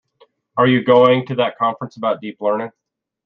Are you going to that conference about Deep Learning?